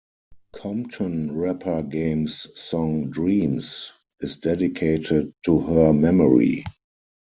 Compton rapper Game's song "Dreams" is dedicated to her memory.